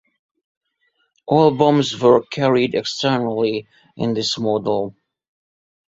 All bombs were carried externally in this model.